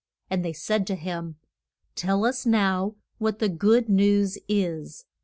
And they said to him, Tell us now what the good news is.